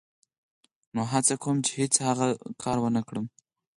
نو هڅه کوم چې هېڅ هغه کار و نه کړم.